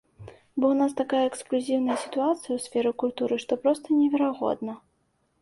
Бо ў нас такая эксклюзіўная сітуацыя ў сферы культуры, што проста неверагодна.